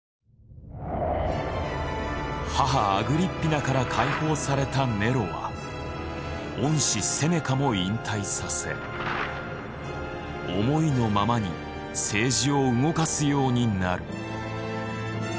母アグリッピナから解放されたネロは恩師セネカも引退させ思いのままに政治を動かすようになる。